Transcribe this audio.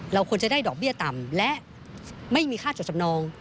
ควรจะได้ดอกเบี้ยต่ำและไม่มีค่าจดจำนอง